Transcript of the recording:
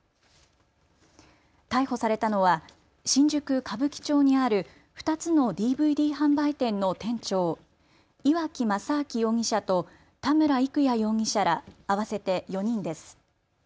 逮捕されたのは新宿歌舞伎町にある２つのＤＶＤ販売店の店長、岩城正明容疑者と田村郁哉容疑者ら合わせて４人です。